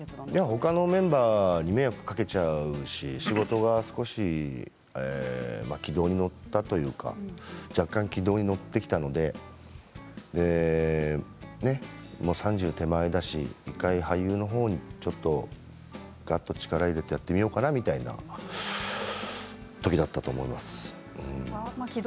ほかのメンバーに迷惑をかけちゃうし仕事が少し軌道に乗ったというか若干、軌道に乗ってきたので、ね、３０歳手前だしいったん俳優のほうにがっと力を入れてやってみようかなみたいなときだったと思います。